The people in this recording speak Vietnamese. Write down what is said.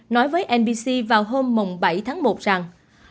nói với nbc vào hôm bảy tháng một rằng